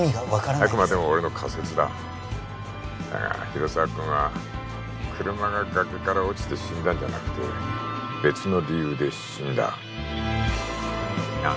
あくまでも俺の仮説だだが広沢君は車が崖から落ちて死んだんじゃなくて別の理由で死んだなあ